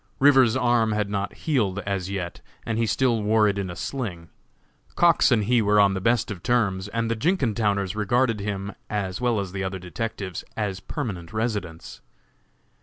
Rivers's arm had not healed as yet, and he still wore it in a sling. Cox and he were on the best of terms, and the Jenkintowners regarded him, as well as the other detectives, as permanent residents.